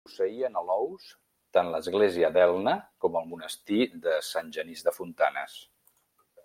Hi posseïen alous tant l'església d'Elna com el monestir de Sant Genís de Fontanes.